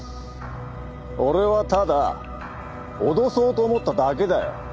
俺はただ脅そうと思っただけだよ。